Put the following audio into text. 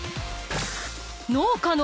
［農家の］